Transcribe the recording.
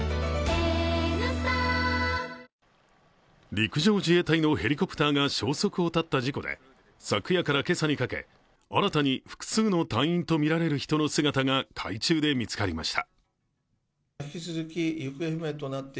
陸上自衛隊のヘリコプターが消息を絶った事故で昨夜から今朝にかけ、新たに複数の隊員とみられる人の姿が海中で見つかりました。